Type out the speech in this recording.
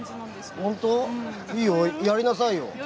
いいよ、やりなさいよ。